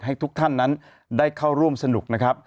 ทุกท่านนั้นได้เข้าร่วมสนุกนะครับ